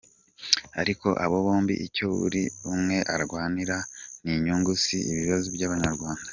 Ariko abo bombi icyo buri umwe arwanira n’inyunyu si ibibazo by’abanyarwanda.